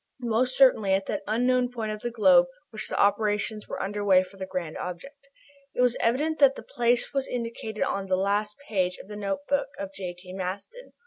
Most certainly at that unknown point of the globe where the operations were under way for their grand object. It was evident that this place was indicated on the last page of the notebook of J.T. Maston.